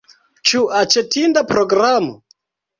Ĉu aĉetinda programo?